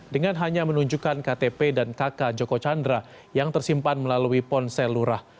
dengan hanya menunjukkan ktp dan kk joko chandra yang tersimpan melalui ponsel lurah